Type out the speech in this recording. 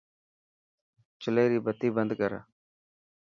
چلي ري بتي بند ڪر.